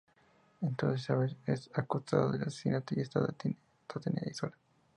Entonces Isabel es acusada de asesinato y está detenida y sola.